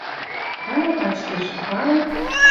Каля качкеш. Вара —